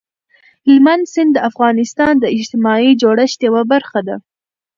هلمند سیند د افغانستان د اجتماعي جوړښت یوه برخه ده.